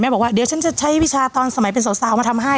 บอกว่าเดี๋ยวฉันจะใช้วิชาตอนสมัยเป็นสาวมาทำให้